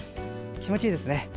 気持ちいいですね。